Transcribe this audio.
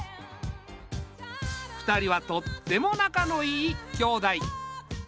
２人はとってもなかのいい兄妹。